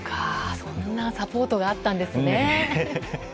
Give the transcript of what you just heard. そんなサポートがあったんですね。